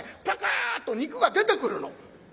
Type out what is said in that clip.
プクッと肉が出てくるの。